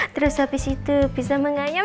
terus habis itu bisa menganyam